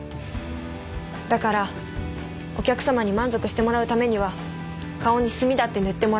だからお客様に満足してもらうためには顔に炭だって塗ってもらう。